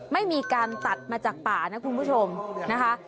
ไม่มีการตัดมาจากป่านะคุณผู้ชมนะคะ